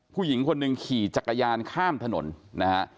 ผู้หญิงคนหนึ่งขี่จักรยานข้ามถนนนะฮะ